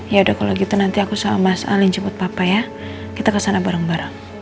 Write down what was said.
ya udah kalau gitu nanti aku sama mas ali jemput papa ya kita kesana bareng bareng